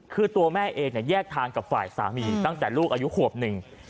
คือตัวแม่เองแยกทางกับฝ่ายสามีตั้งแต่ลูกอายุขวบหนึ่ง